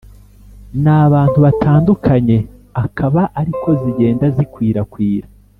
n’abantu batandukanye akaba ari ko zigenda zikwirakwira.